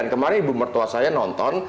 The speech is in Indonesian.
dan kemarin ibu mertua saya nonton